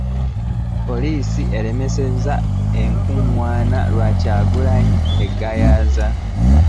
Poliisi eremesezza okukungaana lwa Kyagulanyi e Gayaza